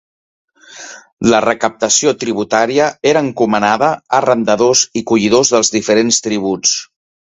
La recaptació tributària era encomanada a arrendadors i collidors dels diferents tributs.